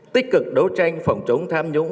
tích cực đấu tranh phòng chống tham nhũng